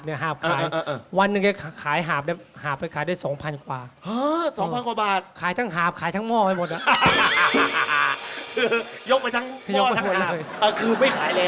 กินครับเพราะเป็นอาหารหวานของไทย